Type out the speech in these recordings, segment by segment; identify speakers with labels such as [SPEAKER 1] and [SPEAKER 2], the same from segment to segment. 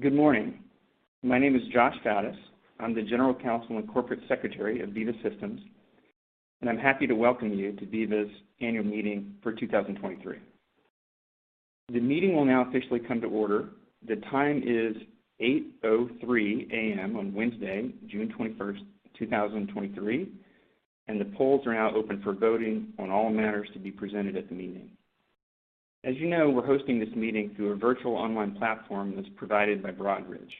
[SPEAKER 1] Good morning. My name is Josh Faddis. I'm the General Counsel and Corporate Secretary of Veeva Systems. I'm happy to welcome you to Veeva's Annual Meeting for 2023. The meeting will now officially come to order. The time is 8:03 A.M. on Wednesday, June 21st, 2023. The polls are now open for voting on all matters to be presented at the meeting. As you know, we're hosting this meeting through a virtual online platform that's provided by Broadridge.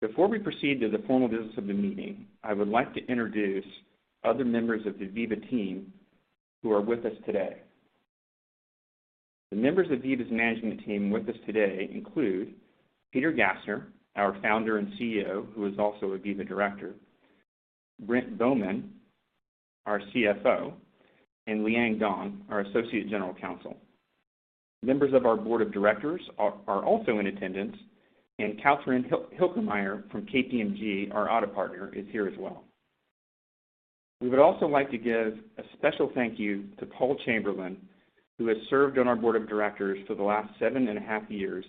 [SPEAKER 1] Before we proceed to the formal business of the meeting, I would like to introduce other members of the Veeva team who are with us today. The members of Veeva's management team with us today include Peter Gassner, our founder and CEO, who is also a Veeva director, Brent Bowman, our CFO, and Liang Dong, our Associate General Counsel. Members of our Board of Directors are also in attendance, and Katherine Hilkemeyer from KPMG, our audit partner, is here as well. We would also like to give a special thank you to Paul Chamberlain, who has served on our Board of Directors for the last seven and a half years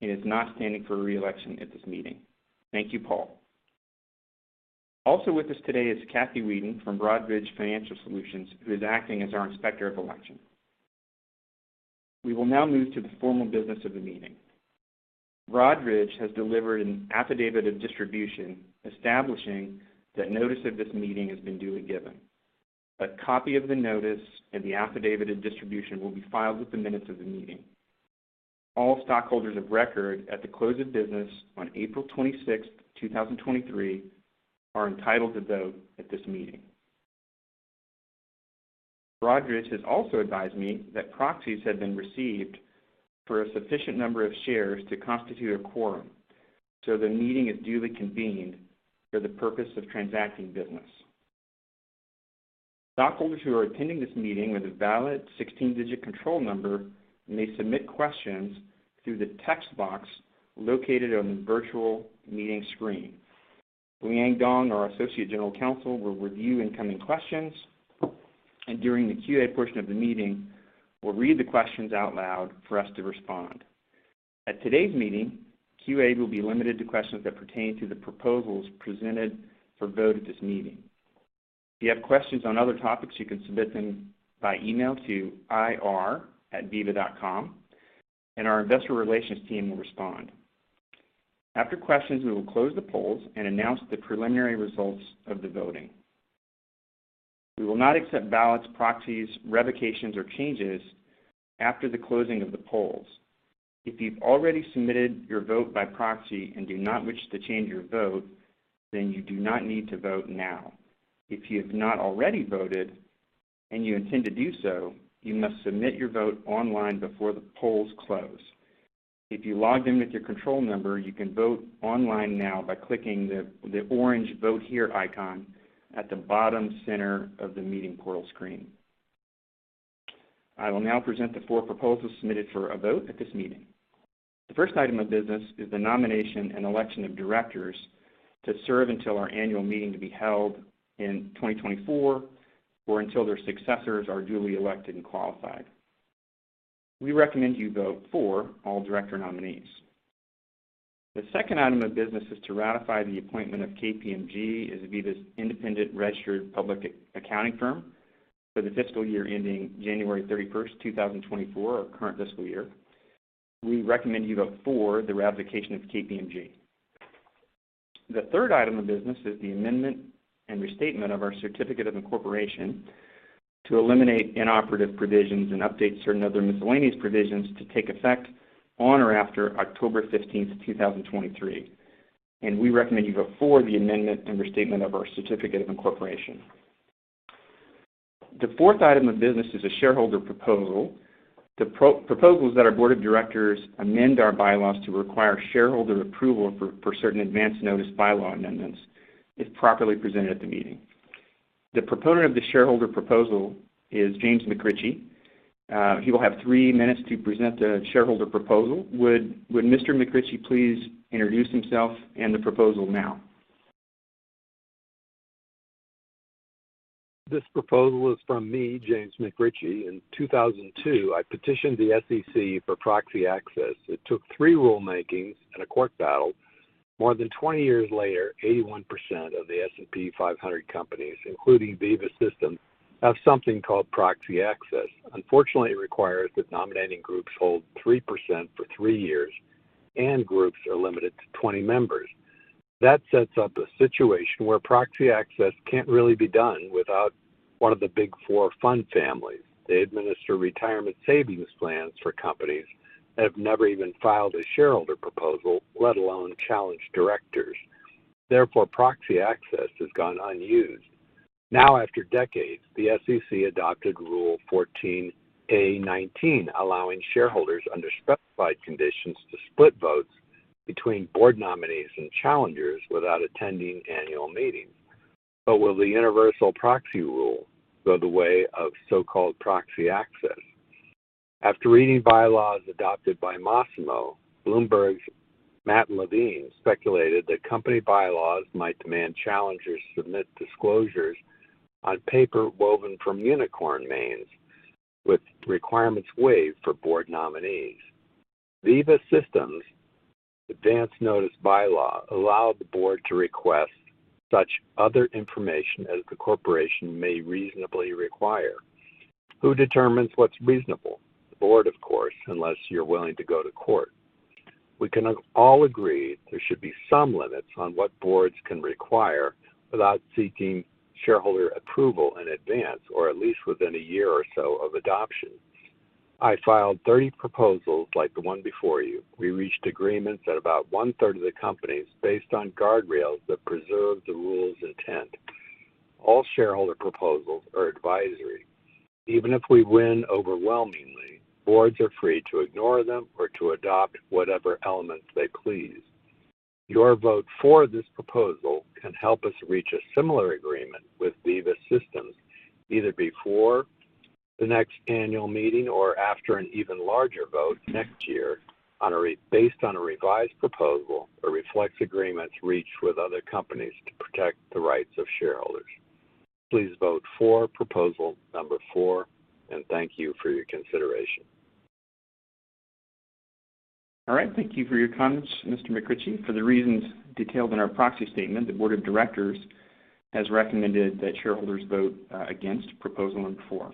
[SPEAKER 1] and is not standing for re-election at this meeting. Thank you, Paul. With us today is Kathy Weeden from Broadridge Financial Solutions, who is acting as our Inspector of Election. We will now move to the formal business of the meeting. Broadridge has delivered an affidavit of distribution, establishing that notice of this meeting has been duly given. A copy of the notice and the affidavit of distribution will be filed with the minutes of the meeting. All stockholders of record at the close of business on April 26, 2023, are entitled to vote at this meeting. Broadridge has also advised me that proxies have been received for a sufficient number of shares to constitute a quorum, so the meeting is duly convened for the purpose of transacting business. Stockholders who are attending this meeting with a valid 16-digit control number may submit questions through the text box located on the virtual meeting screen. Liang Dong, our Associate General Counsel, will review incoming questions, and during the QA portion of the meeting, will read the questions out loud for us to respond. At today's meeting, QA will be limited to questions that pertain to the proposals presented for vote at this meeting. If you have questions on other topics, you can submit them by email to ir@veeva.com, and our investor relations team will respond. After questions, we will close the polls and announce the preliminary results of the voting. We will not accept ballots, proxies, revocations, or changes after the closing of the polls. If you've already submitted your vote by proxy and do not wish to change your vote, then you do not need to vote now. If you have not already voted and you intend to do so, you must submit your vote online before the polls close. If you logged in with your control number, you can vote online now by clicking the orange Vote Here icon at the bottom center of the meeting portal screen. I will now present the four proposals submitted for a vote at this meeting. The first item of business is the nomination and election of directors to serve until our annual meeting to be held in 2024 or until their successors are duly elected and qualified. We recommend you vote for all director nominees. The second item of business is to ratify the appointment of KPMG as Veeva's independent registered public accounting firm for the fiscal year ending January 31st, 2024, our current fiscal year. We recommend you vote for the ratification of KPMG. The third item of business is the amendment and restatement of our certificate of incorporation to eliminate inoperative provisions and update certain other miscellaneous provisions to take effect on or after October 15th, 2023. We recommend you vote for the amendment and restatement of our certificate of incorporation. The fourth item of business is a shareholder proposal. The pro-proposal is that our board of directors amend our bylaws to require shareholder approval for certain advance notice bylaws amendments, if properly presented at the meeting. The proponent of the shareholder proposal is James McRitchie. He will have 3 minutes to present the shareholder proposal. Would Mr. McRitchie please introduce himself and the proposal now?
[SPEAKER 2] This proposal is from me, James McRitchie. In 2002, I petitioned the SEC for proxy access. It took three rulemakings and a court battle. More than 20 years later, 81% of the S&P 500 companies, including Veeva Systems, have something called proxy access. Unfortunately, it requires that nominating groups hold 3% for three years, and groups are limited to 20 members. That sets up a situation where proxy access can't really be done without one of the Big Four fund families. They administer retirement savings plans for companies that have never even filed a shareholder proposal, let alone challenged directors. Therefore, proxy access has gone unused. Now, after decades, the SEC adopted Rule 14a-19, allowing shareholders, under specified conditions, to split votes between board nominees and challengers without attending annual meetings. Will the universal proxy rule go the way of so-called proxy access? After reading bylaws adopted by Masimo, Bloomberg's Matt Levine speculated that company bylaws might demand challengers submit disclosures on paper woven from unicorn manes.... with requirements waived for board nominees. Veeva Systems' advance notice bylaw allowed the board to request such other information as the corporation may reasonably require. Who determines what's reasonable? The board, of course, unless you're willing to go to court. We can all agree there should be some limits on what boards can require without seeking shareholder approval in advance, or at least within a year or so of adoption. I filed 30 proposals like the one before you. We reached agreements at about one-third of the companies based on guardrails that preserve the rule's intent. All shareholder proposals are advisory. Even if we win overwhelmingly, boards are free to ignore them or to adopt whatever elements they please. Your vote for this proposal can help us reach a similar agreement with Veeva Systems, either before the next annual meeting or after an even larger vote next year on a based on a revised proposal or reflects agreements reached with other companies to protect the rights of shareholders. Please vote for proposal number four, and thank you for your consideration.
[SPEAKER 1] All right. Thank you for your comments, Mr. McRitchie. For the reasons detailed in our proxy statement, the board of directors has recommended that shareholders vote against proposal number four.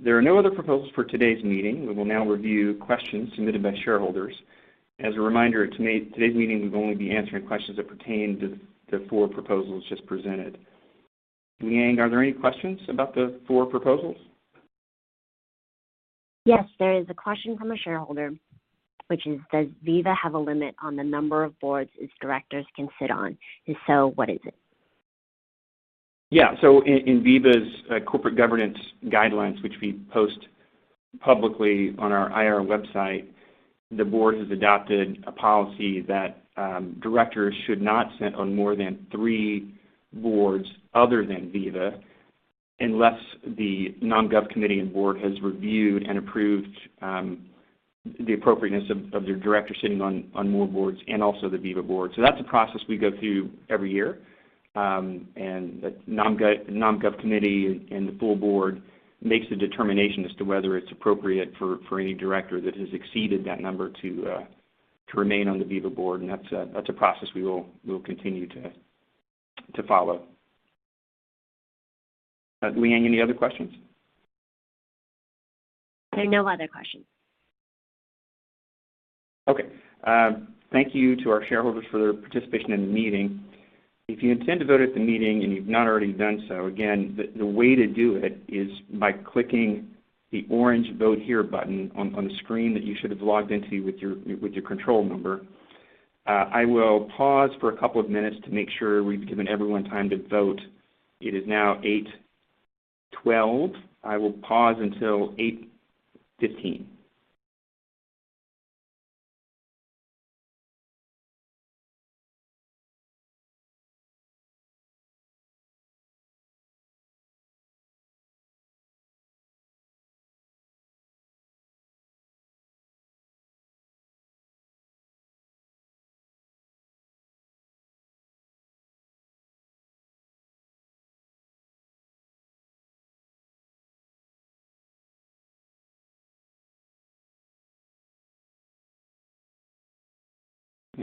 [SPEAKER 1] There are no other proposals for today's meeting. We will now review questions submitted by shareholders. As a reminder, at today's meeting, we've only be answering questions that pertain to the four proposals just presented. Liang, are there any questions about the four proposals?
[SPEAKER 3] There is a question from a shareholder, which is: Does Veeva have a limit on the number of boards its directors can sit on? If so, what is it?
[SPEAKER 1] In Veeva's corporate governance guidelines, which we post publicly on our IR website, the board has adopted a policy that directors should not sit on more than three boards other than Veeva, unless the Nom Gov Committee and board has reviewed and approved the appropriateness of their director sitting on more boards and also the Veeva board. That's a process we go through every year. The Nom Gov Committee and the full board makes a determination as to whether it's appropriate for any director that has exceeded that number to remain on the Veeva board, and that's a process we will continue to follow. Liang, any other questions?
[SPEAKER 3] There are no other questions.
[SPEAKER 1] Okay. Thank you to our shareholders for their participation in the meeting. If you intend to vote at the meeting and you've not already done so, again, the way to do it is by clicking the orange Vote Here button on the screen that you should have logged into with your control number. I will pause for a couple of minutes to make sure we've given everyone time to vote. It is now 8:12 A.M. I will pause until 8:15 A.M.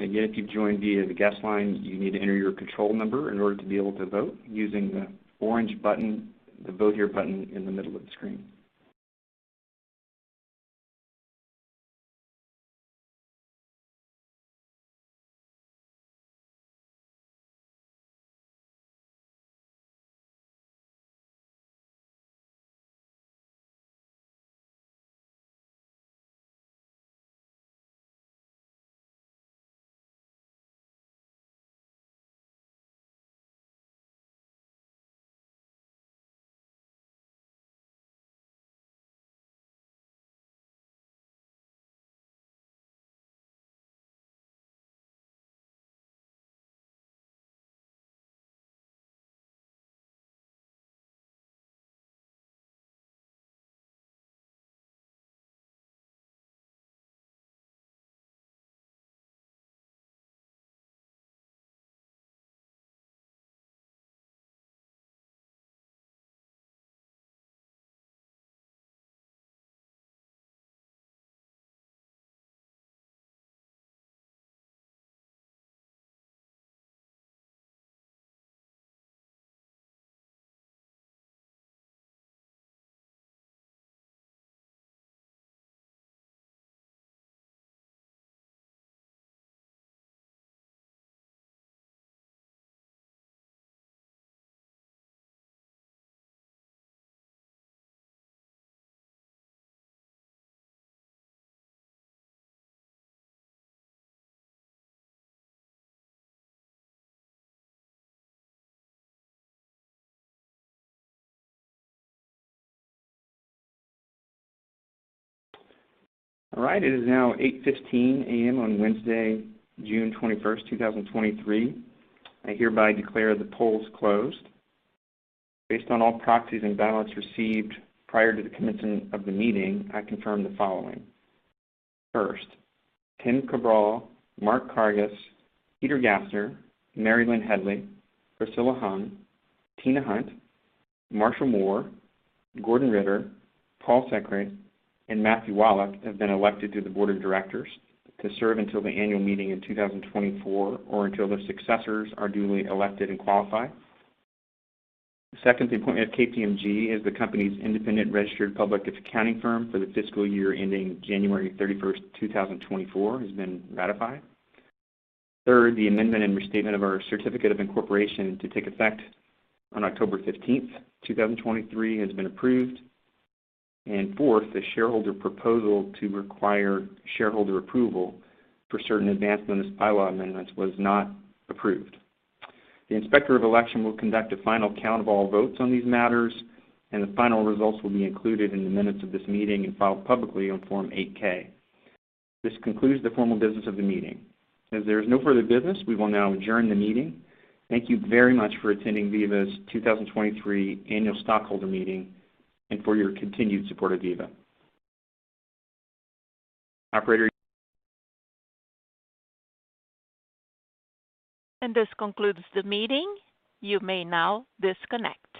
[SPEAKER 1] Again, if you've joined via the guest line, you need to enter your control number in order to be able to vote using the orange button, the Vote Here button in the middle of the screen. All right, it is now 8:15 A.M. on Wednesday, June 21st, 2023. I hereby declare the polls closed. Based on all proxies and ballots received prior to the commencement of the meeting, I confirm the following: First, Tim Cabral, Mark Carges, Peter Gassner, Mary Lynne Hedley, Priscilla Hung, Tina Hunt, Marshall Mohr, Gordon Ritter, Paul Sekhri, and Matthew Wallach have been elected to the board of directors to serve until the annual meeting in 2024 or until their successors are duly elected and qualified. Second, the appointment of KPMG as the company's independent registered public accounting firm for the fiscal year ending January 31, 2024, has been ratified. Third, the amendment and restatement of our certificate of incorporation to take effect on October 15, 2023, has been approved. Fourth, the shareholder proposal to require shareholder approval for certain advance notice bylaw amendments was not approved. The inspector of election will conduct a final count of all votes on these matters, and the final results will be included in the minutes of this meeting and filed publicly on Form 8-K. This concludes the formal business of the meeting. As there is no further business, we will now adjourn the meeting. Thank you very much for attending Veeva's 2023 Annual Stockholder Meeting and for your continued support of Veeva. Operator?
[SPEAKER 4] This concludes the meeting. You may now disconnect.